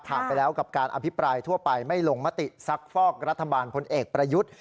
ไปแล้วกับการอภิปรายทั่วไปไม่ลงมติซักฟอกรัฐบาลพลเอกประยุทธ์